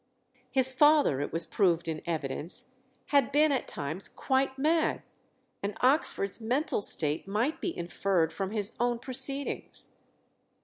His father, it was proved in evidence, had been at times quite mad; and Oxford's mental state might be inferred from his own proceedings.